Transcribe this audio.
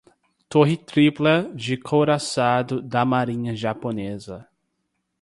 Torre tripla do couraçado da marinha japonesa